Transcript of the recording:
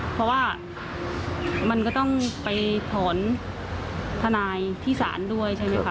เพราะว่ามันก็ต้องไปถอนทนายที่ศาลด้วยใช่ไหมคะ